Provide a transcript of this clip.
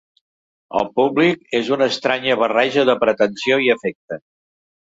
El públic és una estranya barreja de pretensió i afecte.